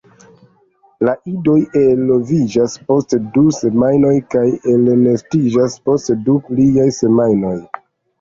La idoj eloviĝas post du semajnoj kaj elnestiĝas post du pliaj semajnoj.